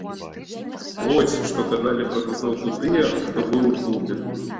Вось, што казалі пра тусоўку тыя, хто быў у клубе.